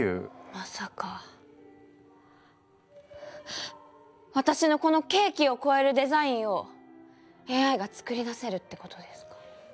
まさか私のこのケーキを超えるデザインをＡＩが作り出せるってことですか？